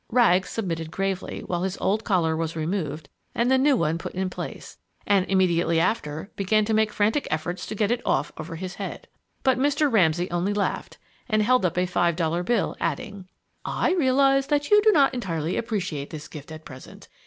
Rags submitted gravely while his old collar was removed and the new one put in place, and immediately after began to make frantic efforts to get it off over his head! But Mr. Ramsay only laughed and held up a five dollar bill, adding: "I realize that you do not entirely appreciate this gift at present.